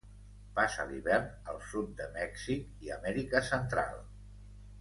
Passa l'hivern al sud de Mèxic i Amèrica Central.